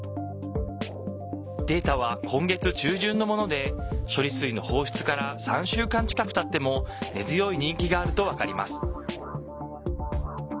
データは今月中旬のもので処理水の放出から３週間近くたっても根強い人気があると分かります。